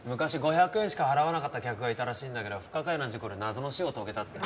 昔５００円しか払わなかった客がいたらしいんだけど不可解な事故で謎の死を遂げたって。